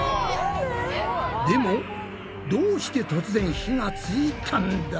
でもどうして突然火がついたんだ？